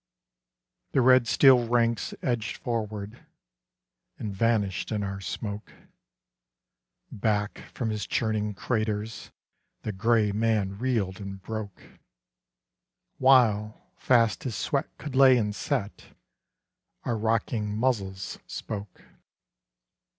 The Red Steel ranks edged forward, And vanished in our smoke; Back from his churning craters, The Gray Man reeled and broke; While, fast as sweat could lay and set, Our rocking muzzles spoke.